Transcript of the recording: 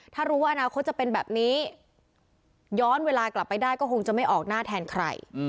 ถ้ารู้ว่าอนาคตจะเป็นแบบนี้ย้อนเวลากลับไปได้ก็คงจะไม่ออกหน้าแทนใคร